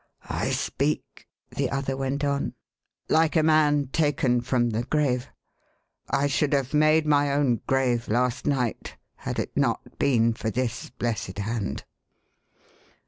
" I speak,11 the other went on, " like a man taken from the grave. I should have made my own grave, last night, had it not been for this blessed hand.